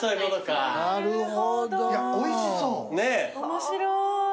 面白い。